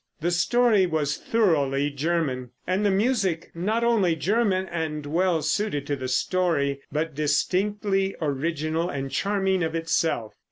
The story was thoroughly German, and the music not only German and well suited to the story, but distinctly original and charming of itself.